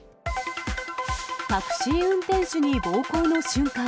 タクシー運転手に暴行の瞬間。